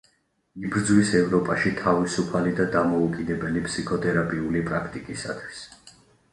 იბრძვის ევროპაში თავისუფალი და დამოუკიდებელი ფსიქოთერაპიული პრაქტიკისათვის.